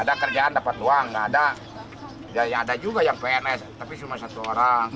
ada kerjaan dapat uang nggak ada juga yang pns tapi cuma satu orang